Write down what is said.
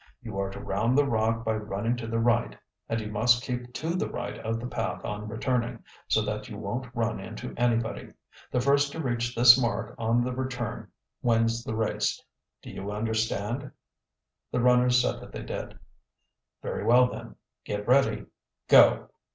"You are to round the rock by running to the right, and you must keep to the right of the path on returning, so that you won't run into anybody. The first to reach this mark on the return wins the race. Do you understand?" The runners said that they did. "Very well then. Get ready. Go!"